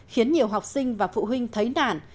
khiến nhiều học sinh và phụ huynh thấy nản